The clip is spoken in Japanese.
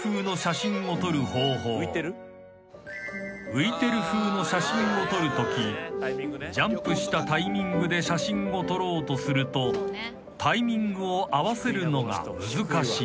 ［浮いてる風の写真を撮るときジャンプしたタイミングで写真を撮ろうとするとタイミングを合わせるのが難しい］